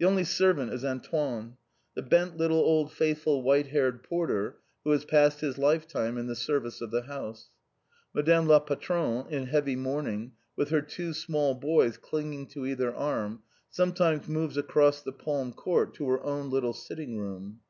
The only servant is Antoine, the bent little old faithful white haired porter, who has passed his lifetime in the service of the house. Madame la Patronne, in heavy mourning, with her two small boys clinging to either arm, sometimes moves across the palm court to her own little sitting room.